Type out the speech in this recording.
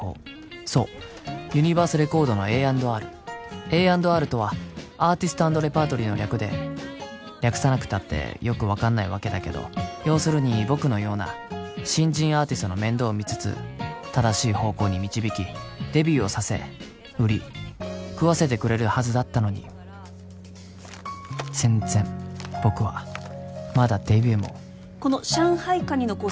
そうユニバースレコードのＡ＆ＲＡ＆Ｒとはアーティスト＆レパートリーの略で略さなくたってよく分かんないわけだけど要するに僕のような新人アーティストの面倒を見つつ正しい方向に導きデビューをさせ売り食わせてくれるはずだったのに全然僕はまだデビューもこの上海カニのコース